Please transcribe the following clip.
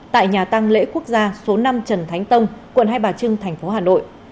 tại nhà tăng lễ quốc gia số năm trần thánh tông quận hai bà trưng tp hà nội